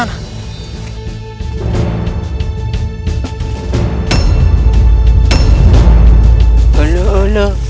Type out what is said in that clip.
merupakan keboleh sama baik